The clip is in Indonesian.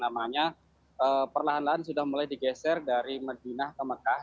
jadi perlahan lahan sudah mulai digeser dari medina ke mekah